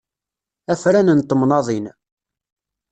Afran n temnaḍin.